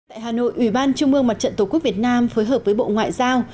tại hà nội ủy ban trung mương mặt trận tổ quốc việt nam phối hợp với bộ ngoại giao